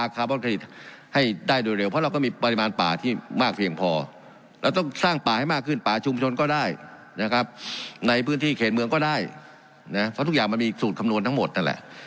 ก็ได้เนี่ยเพราะทุกอย่างมันมีสูตรคำนวณทั้งหมดนั่นแหละ